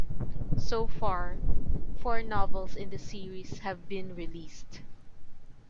So far four novels in the series have been released.